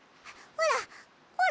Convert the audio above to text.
ほら！